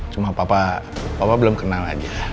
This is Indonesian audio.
cuma papa papa belum kenal aja